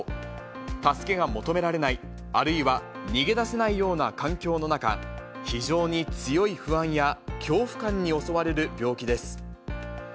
助けが求められない、あるいは逃げ出せないような環境の中、非常に強い不安や恐怖感に襲われる病気です。